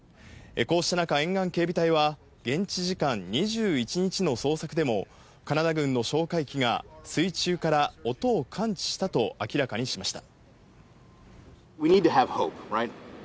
こうした中、沿岸警備隊は現地時間２１日の捜索でも、カナダ軍の哨戒機が水中から音を感知したと明らかにしました。